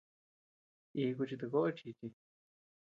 Iku chitokoʼo chichí.